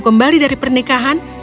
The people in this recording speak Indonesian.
kembali dari pernikahan